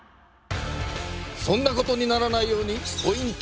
そんなことにならないようにポイント